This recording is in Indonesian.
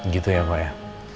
gitu ya pak ya